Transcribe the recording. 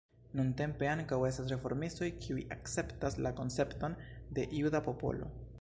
Nuntempe ankaŭ estas reformistoj kiuj akceptas la koncepton de "juda popolo".